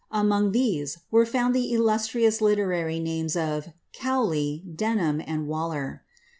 An these were found the illustrious literary names of Cowley, Denharo, Waller.